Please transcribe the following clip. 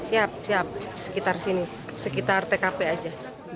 siap siap sekitar sini sekitar tkp aja